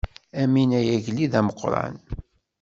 Amin ay agellid ameqqran.